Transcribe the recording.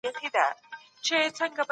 که وزرونه ولرم زه به هم البوزم.